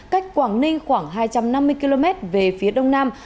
cách quảng ninh khoảng hai trăm năm mươi km về phía đông nam